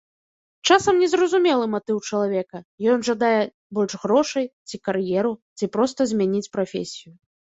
Часам незразумелы матыў чалавека, ён жадае больш грошай, ці кар'еру, ці проста змяніць прафесію.